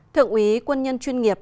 thượng úy quân nhân chuyên nghiệp